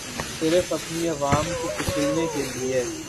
صرف اپنی عوام کو کچلنے کیلیے